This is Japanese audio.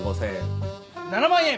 ７万円！